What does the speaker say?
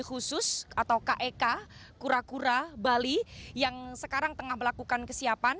khusus atau kek kura kura bali yang sekarang tengah melakukan kesiapan